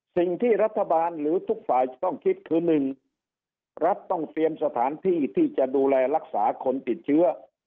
สิ่งที่รัฐบาลหรือทุกฝ่ายต้องคิดคือ๑รัฐต้องเตรียมสถานที่ที่จะดูแลรักษาคนติดเชื้อ